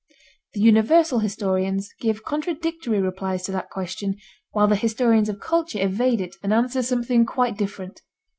The universal historians give contradictory replies to that question, while the historians of culture evade it and answer something quite different.